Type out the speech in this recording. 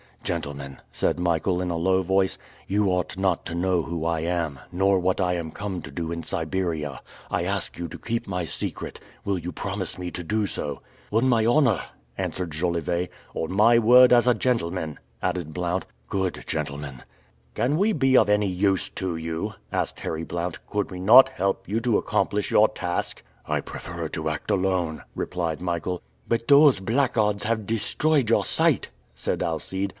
"Gentlemen," said Michael, in a low voice, "you ought not to know who I am, nor what I am come to do in Siberia. I ask you to keep my secret. Will you promise me to do so?" "On my honor," answered Jolivet. "On my word as a gentleman," added Blount. "Good, gentlemen." "Can we be of any use to you?" asked Harry Blount. "Could we not help you to accomplish your task?" "I prefer to act alone," replied Michael. "But those blackguards have destroyed your sight," said Alcide.